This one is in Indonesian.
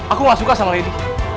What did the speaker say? aku gak suka sama ini